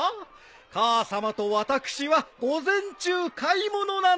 母さまと私は午前中買い物なんです。